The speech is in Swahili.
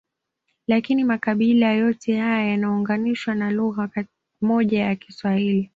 Lakini makabila yote haya yanaunganishwa na lugha moja ya Kiswahili